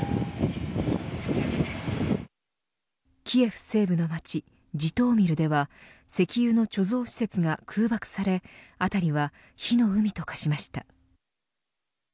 キエフ西部の町、ジトーミルでは石油の貯蔵施設が空爆されあたりは火の海と化しました。